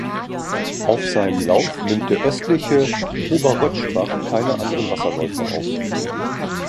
Auf seinem Lauf nimmt der Östliche Oberrötschbach keine anderen Wasserläufe auf.